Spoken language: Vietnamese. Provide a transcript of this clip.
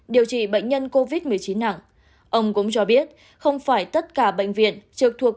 điều trị bệnh nhân covid một mươi chín nặng ông cũng cho biết không phải tất cả bệnh viện trực thuộc